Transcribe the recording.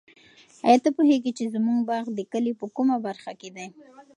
آیا ته پوهېږې چې زموږ باغ د کلي په کومه برخه کې دی؟